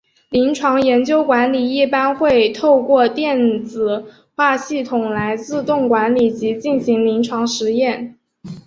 临床研究管理一般会透过电子化系统来自动管理及进行临床试验。